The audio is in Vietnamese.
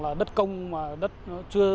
là đất công mà đất chưa